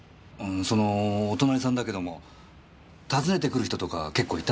そのお隣さんだけども訪ねてくる人とか結構いた？